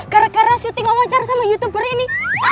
gara gara syuting wawancara sama youtuber ini